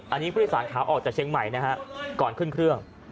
อันนี้ผู้โดยสารขาออกจากเชียงใหม่นะฮะก่อนขึ้นเครื่อง